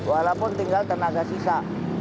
walaupun tinggal tenaga sisa